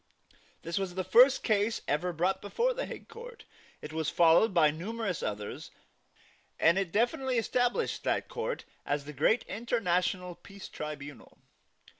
This was the first case ever brought before the Hague Court. It was followed by numerous others; and it definitely established that court as the great international peace tribunal.